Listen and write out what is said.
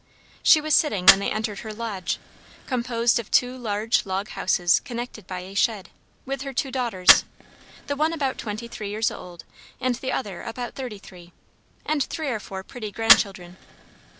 She was sitting when they entered her lodge, composed of two large log houses connected by a shed, with her two daughters, the one about twenty three years old, and the other about thirty three, and three or four pretty grandchildren.